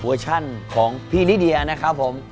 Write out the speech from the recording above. ชั่นของพี่ลิเดียนะครับผม